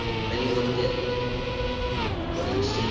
Then he looked in. "What do you see?"